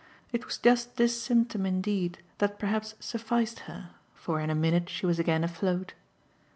It was just this symptom indeed that perhaps sufficed her, for in a minute she was again afloat.